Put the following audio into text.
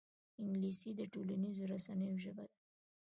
انګلیسي د ټولنیزو رسنیو ژبه ده